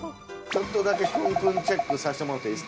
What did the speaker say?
ちょっとだけくんくんチェックさせてもろうていいですか？